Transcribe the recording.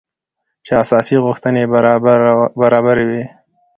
چې اساسي غوښتنې يې برابري وه .